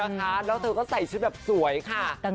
ว่ามันเลิศนะคะแล้วเธอก็ใส่ชุดแบบสวยค่ะ